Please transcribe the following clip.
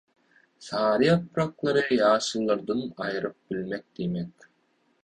Sary ýapraklary ýaşyllardan aýryp bilmek diýmek.